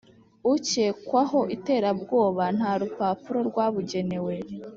Ukekwaho iterabwoba nta rupapuro rwabugenewe